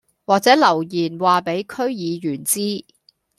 或者留言話俾區議員知